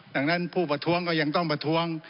ดังนั้นผู้ประท้วงก็ยังต้องประท้วง